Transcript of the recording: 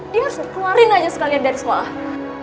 dia harus keluarin aja sekalian dari sekolah